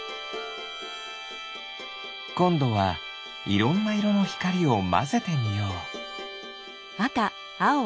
こんどはいろんないろのひかりをまぜてみよう。